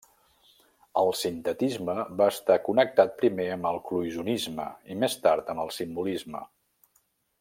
El sintetisme va estar connectat primer amb el cloisonnisme i més tard amb el simbolisme.